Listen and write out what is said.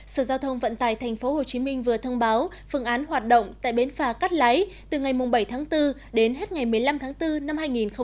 sở giao thông vận tài tp hcm vừa thông báo phương án hoạt động tại bến phà cắt lái từ ngày bảy tháng bốn đến hết ngày một mươi năm tháng bốn năm hai nghìn hai mươi